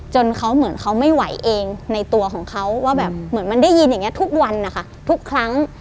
จนเขาเหมือนเขาไม่ไหวเองในตัวของเขาว่าแบบเหมือนมันได้ยินอย่างนี้ทุกวันนะคะทุกครั้ง